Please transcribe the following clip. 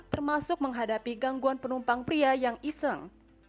termasuk menghadapi gangguan penumpang pria yang iseng